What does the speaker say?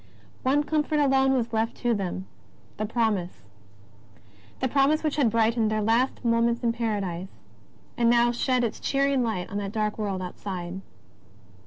One comfort alone was left to them — the Promise, that Promise which had brightened their last moments in Paradise, and now shed its cheering light on the dark world outside.